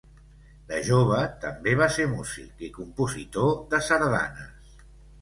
De jove també va ser músic i compositor de sardanes.